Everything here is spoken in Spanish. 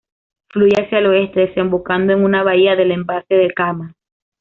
Fluye hacia el oeste, desembocando en una bahía del embalse del Kama.